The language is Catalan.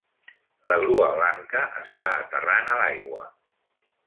La grua blanca està aterrant a l'aigua